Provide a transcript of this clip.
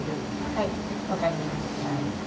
はい、分かりました。